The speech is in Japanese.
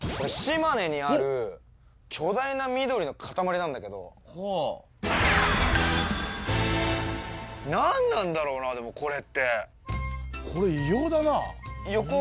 島根にある巨大な緑の塊なんだけど何なんだろうなでもこれってこれ異様だな横